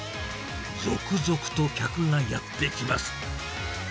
続々と客がやって来ます。